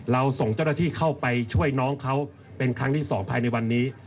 ส่งเจ้าหน้าที่เข้าไปช่วยน้องเขาเป็นครั้งที่๒ภายในวันนี้